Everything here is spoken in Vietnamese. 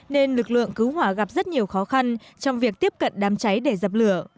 nên lực lượng cứu hỏa gặp rất nhiều khó khăn trong việc tiếp cận đám cháy để dập lửa